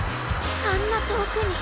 あんなとおくに！